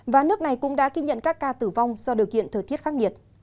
và nước này cũng đã ghi nhận các ca tử vong do điều kiện thời tiết khắc nghiệt